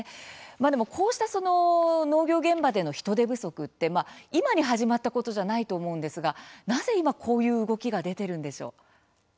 でも、こうした農業現場での人手不足って今に始まったことじゃないと思うんですが、なぜ今こういう動きが出ているんでしょう？